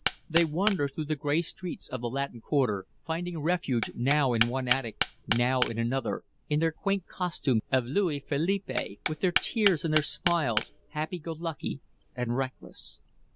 They wander through the gray streets of the Latin Quarter, finding refuge now in one attic, now in another, in their quaint costumes of Louis Philippe, with their tears and their smiles, happy go lucky and reckless.